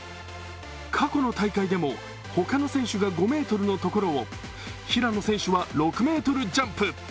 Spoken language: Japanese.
過去の大会でも、他の選手が５ｍのところを平野選手は６ｍジャンプ。